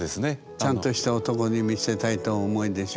ちゃんとした男に見せたいとお思いでしょ？